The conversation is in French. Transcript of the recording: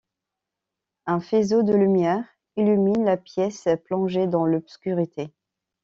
Un faisceau de lumière illumine la pièce, plongée dans l'obscurité.